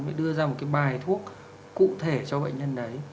và đưa ra một bài thuốc cụ thể cho bệnh nhân đấy